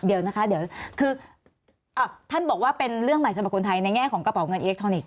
เดี๋ยวนะคะเดี๋ยวคือท่านบอกว่าเป็นเรื่องใหม่สำหรับคนไทยในแง่ของกระเป๋าเงินอิเล็กทรอนิกส